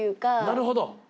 なるほど。